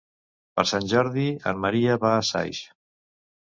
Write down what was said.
Per Sant Jordi en Maria va a Saix.